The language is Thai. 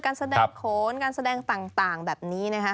การแสดงโขนการแสดงต่างแบบนี้นะคะ